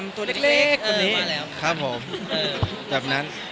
อยากครอบหวังอย่างนี้บ้างครับ